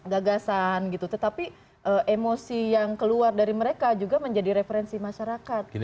gagasan gitu tetapi emosi yang keluar dari mereka juga menjadi referensi masyarakat